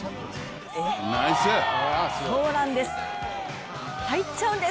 そうなんです。